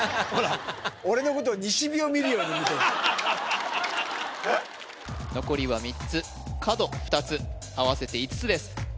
俺のこと西日を見るように見てる残りは３つ角２つ合わせて５つです